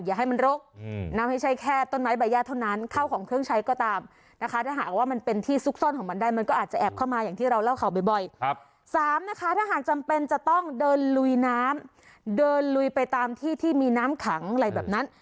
สามนะคะทหารจำเป็นจะต้องเดินลุยน้ำเดินลุยไปตามที่ที่มีน้ำขังอะไรแบบนั้น